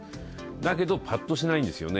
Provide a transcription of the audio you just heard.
だけど、ぱっとしないんですよね。